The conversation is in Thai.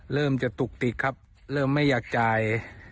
เริ่มจะตุกติดครับเริ่มไม่อยากจ่าย